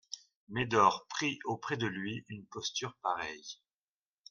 Médor prit auprès de lui une posture pareille.